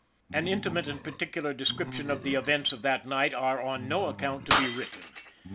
An intimate and particular description of the events of that night are on no account to be written.